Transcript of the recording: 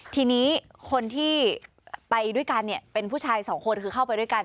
ทีนี้คนที่ไปด้วยกันเนี่ยเป็นผู้ชายสองคนคือเข้าไปด้วยกัน